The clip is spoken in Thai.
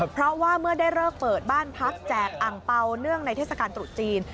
เพราะว่าเมื่อได้เลิกเปิดบ้านพักแจกอังเปล่าเนื่องในเทศกาลตรุษจีน